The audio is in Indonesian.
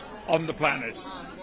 seratus tahun di planet